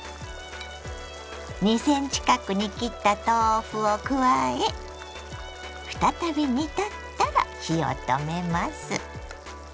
２ｃｍ角に切った豆腐を加え再び煮立ったら火を止めます。